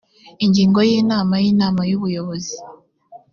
ingingo ya inama y inama y ubuyobozi